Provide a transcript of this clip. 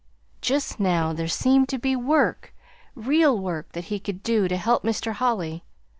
Just now there seemed to be work, real work that he could do to help Mr. Holly.